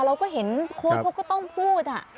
เราก็เห็นโค้ชเขาก็ต้องพูด